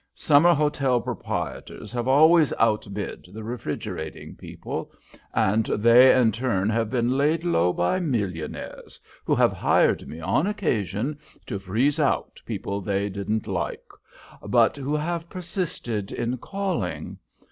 Summer hotel proprietors have always outbid the refrigerating people, and they in turn have been laid low by millionaires, who have hired me on occasion to freeze out people they didn't like, but who have persisted in calling.